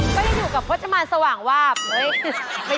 โปรดติดตามตอนต่อไป